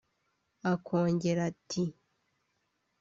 Akongera ati